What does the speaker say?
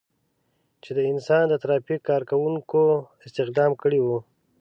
چې د انسان د ترافیک کار کوونکو استخدام کړي وو.